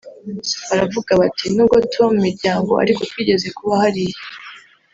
baravuga bati ‘nubwo tuba mu miryango ariko twigeze kuba hariya